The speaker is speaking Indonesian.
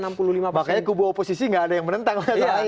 makanya kubu oposisi gak ada yang menentang